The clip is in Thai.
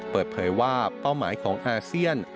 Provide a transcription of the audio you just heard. เปิดเผยว่าเป้าหมายของอาเซียน